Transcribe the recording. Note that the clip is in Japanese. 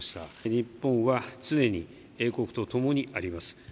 日本は常に英国と共にあります。